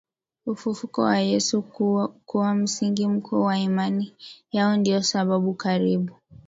ufufuko wa Yesu kuwa msingi mkuu wa imani yao ndiyo sababu karibu